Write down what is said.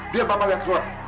biar bapak lihat keluar